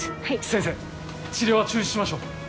先生治療は中止しましょう。